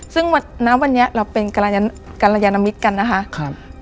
ซึ่งณวันนี้เราเป็นกรยานมิตรกันนะคะ